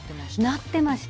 なってました。